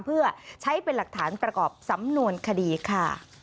เพื่อใช้เป็นหลักฐานประกอบสำนวนคดีค่ะ